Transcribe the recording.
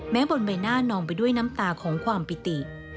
บนใบหน้านองไปด้วยน้ำตาของความปิติ